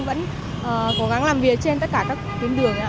vẫn cố gắng làm việc trên tất cả các tuyến đường